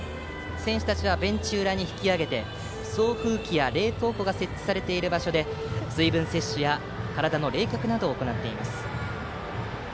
選手たちはベンチ裏に引き揚げて送風機や冷凍庫が設置されている場所で水分摂取や体の冷却などを行っています。